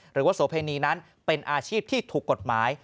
หรือว่าโสเพณีนั้นเป็นอาชีพที่ถูกกฎหมาย